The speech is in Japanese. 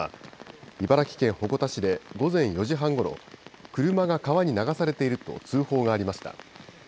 茨城県鉾田市で午前４時半ごろ車が川に流されていると通報がありました。